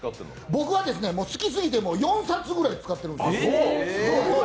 僕は好きすぎて、もう４冊ぐらい使ってるんです。